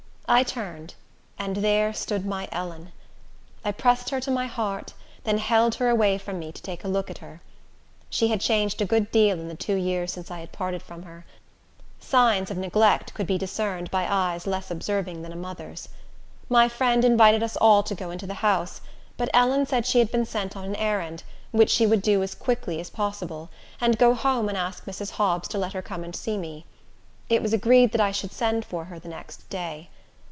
I turned, and there stood my Ellen! I pressed her to my heart, then held her away from me to take a look at her. She had changed a good deal in the two years since I parted from her. Signs of neglect could be discerned by eyes less observing than a mother's. My friend invited us all to go into the house; but Ellen said she had been sent of an errand, which she would do as quickly as possible, and go home and ask Mrs. Hobbs to let her come and see me. It was agreed that I should send for her the next day.